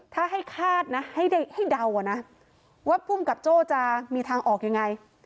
ถ้าให้คาดนะให้เดานะว่าภูมิกับโจ้จะมีทางออกยังไง